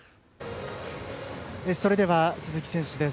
それでは鈴木選手です。